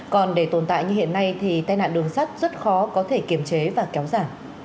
còn để tồn tại như hiện nay thì tai nạn đường sắt rất khó có thể kiểm chế và kéo giả